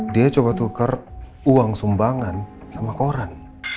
dia coba tukar uang sumbangan sama koran